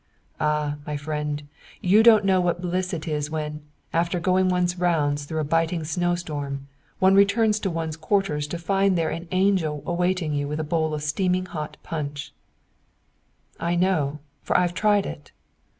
Ah, my friend, you don't know what bliss it is when, after going one's rounds through a biting snowstorm, one returns to one's quarters to find there an angel awaiting you with a bowl of steaming hot punch." "I do know, for I've tried it."